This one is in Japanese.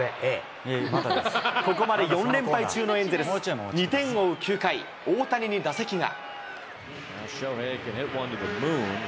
ここまで４連敗中のエンゼルス、２点を追う９回、大谷に打席が。